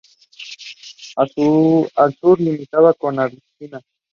Al sur limitaba con Abisinia.